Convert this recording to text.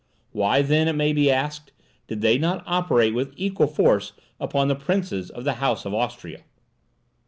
Why, then, it may be asked, did they not operate with equal force upon the princes of the House of Austria?